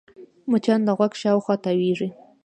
مچان د غوږ شاوخوا تاوېږي